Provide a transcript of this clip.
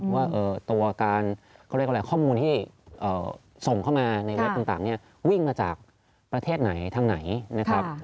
ว่าตัวการข้อมูลที่ส่งเข้ามาในเวลาต่างวิ่งมาจากประเทศไหนทางไหนนะครับ